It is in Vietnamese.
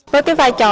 với cái vai trò